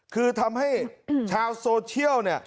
คือทำให้ชาวโซเชียล